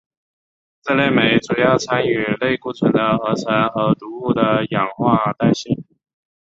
这类酶主要参与类固醇的合成和毒物的氧化代谢。